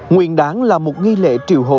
nguyên đán là một nghi lễ triều hóa